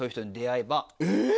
え！